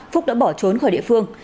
phúc đã bỏ trốn khỏi địa phương